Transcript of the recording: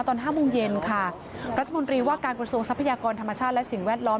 ตอน๕โมงเย็นค่ะรัฐมนตรีว่าการกระทรวงทรัพยากรธรรมชาติและสิ่งแวดล้อม